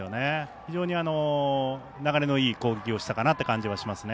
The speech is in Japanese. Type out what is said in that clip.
非常に流れのいい攻撃をしたかなという感じがしますね。